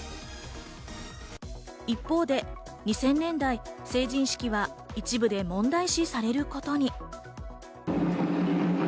一方で２０００年代、成人式は一部で問題視されることに。